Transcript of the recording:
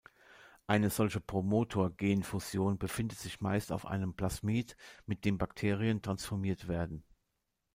Eine solche Promotor-Gen-Fusion befindet sich meist auf einem Plasmid, mit dem Bakterien transformiert werden.